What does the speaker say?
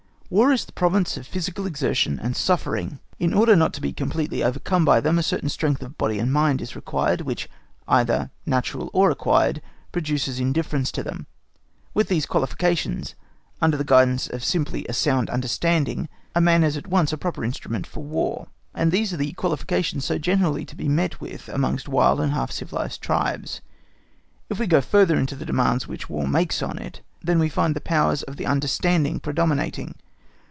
War is the province of physical exertion and suffering. In order not to be completely overcome by them, a certain strength of body and mind is required, which, either natural or acquired, produces indifference to them. With these qualifications, under the guidance of simply a sound understanding, a man is at once a proper instrument for War; and these are the qualifications so generally to be met with amongst wild and half civilised tribes. If we go further in the demands which War makes on it, then we find the powers of the understanding predominating.